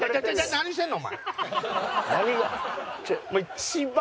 何してんの？